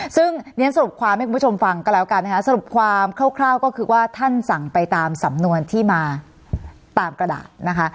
ซึ่งเรียนสรุปความให้คุณผู้ชมฟังก็แล้วกันนะคะสรุปความคร่าวก็คือว่าท่านสั่งไปตามสำนวนที่มาตามกระดาษนะคะ